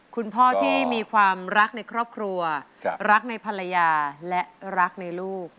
คุณพ่อที่มีความรักในครอบครัวรักในภรรยาและรักในลูก